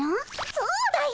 そうだよ。